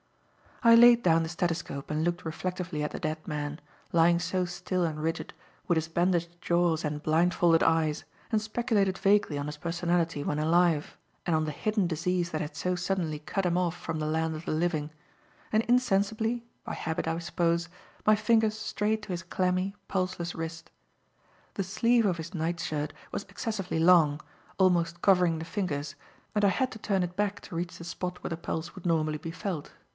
I laid down the stethoscope and looked reflectively at the dead man, lying so still and rigid, with his bandaged jaws and blindfolded eyes, and speculated vaguely on his personality when alive and on the hidden disease that had so suddenly cut him off from the land of the living; and insensibly by habit I suppose my fingers strayed to his clammy, pulseless wrist. The sleeve of his night shirt was excessively long, almost covering the fingers, and I had to turn it back to reach the spot where the pulse would normally be felt.